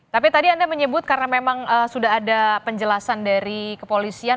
tapi tadi anda menyebut karena memang sudah ada penjelasan dari kepolisian